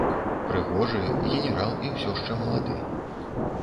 Прыгожы, генерал і ўсё шчэ малады.